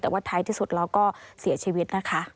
แต่ว่าท้ายที่สุดแล้วก็เสียชีวิตนะคะ